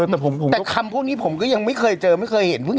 แต่คำพวกนี้ผมก็ยังไม่เคยเจอไม่เคยเห็นเพิ่ง